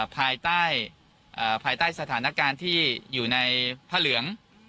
ภายใต้สถานการณ์ที่อยู่ในพระเหลือง